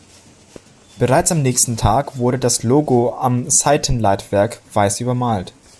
Bereits am nächsten Tag wurde das Logo am Seitenleitwerk weiß übermalt.